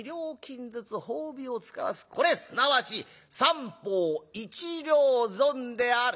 これすなわち『三方一両損』である。